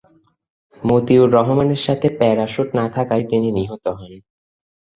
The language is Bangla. মতিউর রহমানের সাথে প্যারাসুট না থাকায় তিনি নিহত হন।